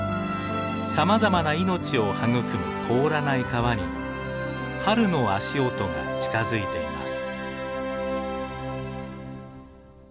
さまざまな命を育む凍らない川に春の足音が近づいています。